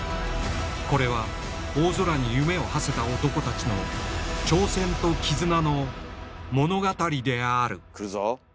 これは大空に夢をはせた男たちの挑戦と絆の物語であるくるぞ。